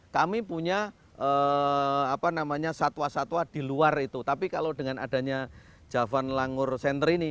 kami punya satwa satwa di luar itu tapi kalau dengan adanya javan langur center ini